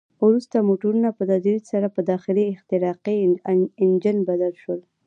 وروسته موټرونه په تدریج سره په داخلي احتراقي انجن بدل شول.